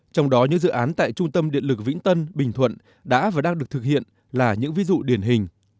trong đó những dự án tại trung tâm điện lực vĩnh tân bình thuận đã và đang được thực hiện là những ví dụ điển hình